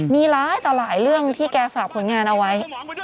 มีหลายต่อหลายเรื่องที่แกฝากผลงานเอาไว้